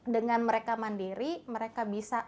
dengan mereka mandiri mereka bisa